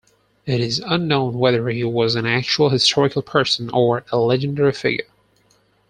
It is unknown whether he was an actual historical person or a legendary figure.